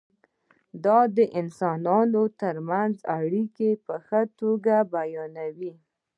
دا د انسانانو ترمنځ اړیکه په ښه توګه بیانوي.